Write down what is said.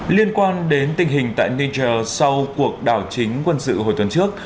liên quan đến tình hình tại niger sau cuộc đảo chính quân sự hồi tuần trước